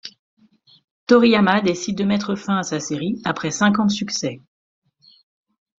Toriyama décide de mettre fin à sa série après cinq ans de succès.